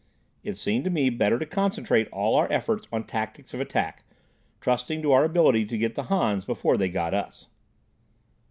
It seemed to me better to concentrate all our efforts on tactics of attack, trusting to our ability to get the Hans before they got us.